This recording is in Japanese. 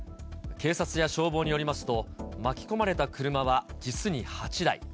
警察や消防によりますと、巻き込まれた車は実に８台。